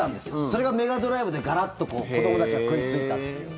それがメガドライブでガラッと子どもたちが食いついたという。